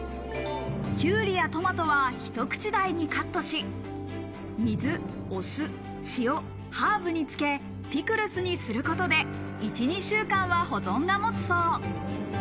キュウリやトマトは、ひと口大にカットし、水、お酢、塩、ハーブに漬け、ピクルスにすることで１２週間は保存が持つそう。